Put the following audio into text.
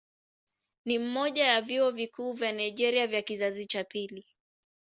Ni mmoja ya vyuo vikuu vya Nigeria vya kizazi cha pili.